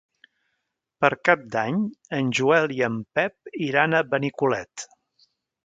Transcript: Per Cap d'Any en Joel i en Pep iran a Benicolet.